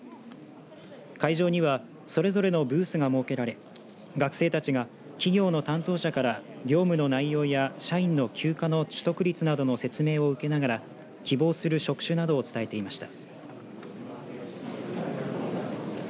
会場にはそれぞれのブースが設けられ学生たちが企業の担当者から業務の内容や社員の休暇の取得率などの説明を受けながら希望する職種などを伝えていました。